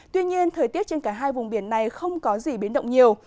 tuy nhiên thời tiết trên cả hai vùng biển này không có gì biến động nhiều